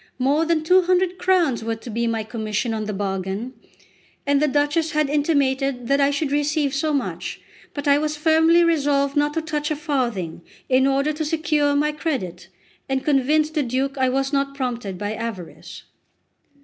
More than two hundred crowns were to be my commission on the bargain, and the Duchess had intimated that I should receive so much; but I was firmly resolved not to touch a farthing, in order to secure my credit, and convince the Duke I was not prompted by avarice.